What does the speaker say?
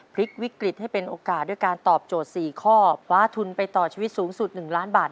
พลิกวิกฤตให้เป็นโอกาสด้วยการตอบโจทย์๔ข้อคว้าทุนไปต่อชีวิตสูงสุด๑ล้านบาท